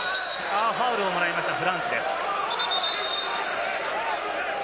ファウルをもらいました、フランツです。